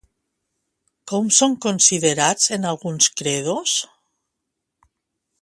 Com són considerats en alguns credos?